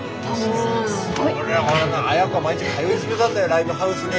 ライブハウスに。